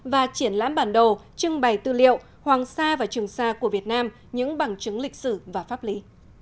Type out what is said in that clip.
và triển lãm bản đồ trưng bày tư liệu hoàng sa và trường sa của việt nam những bằng chứng lịch sử và pháp lý